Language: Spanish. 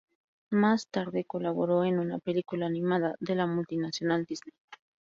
Más tarde colaboró en una película animada de la multinacional Disney.